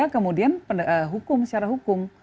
kemudian hukum secara hukum